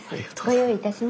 ご用意いたします。